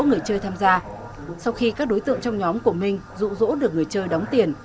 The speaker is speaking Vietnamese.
người chơi tham gia sau khi các đối tượng trong nhóm của minh rụ rỗ được người chơi đóng tiền